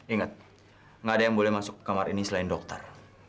ingat nggak ada yang boleh masuk kamar ini selain dokter